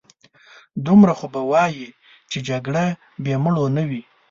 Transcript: دومره خو به وايې چې جګړه بې مړو نه وي.